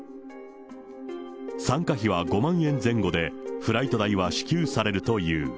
参加費は５万円前後で、フライト代は支給されるという。